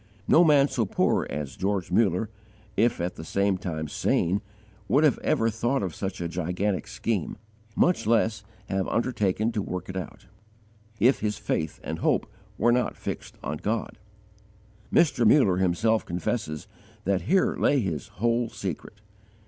No man so poor as George Muller, if at the same time sane, would ever have thought of such a gigantic scheme, much less have undertaken to work it out, if his faith and hope were not fixed on God. Mr. Muller himself confesses that here lay his whole secret.